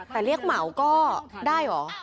แต่เรียกเหมาก็ได้เหรอ